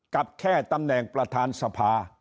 กับแค่ตำแหน่งประธานสภา